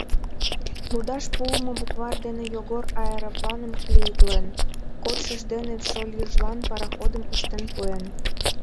Лудаш пуымо букварь дене Йогор аэропланым клеитлен, кодшыж дене шольыжлан пароходым ыштен пуэн.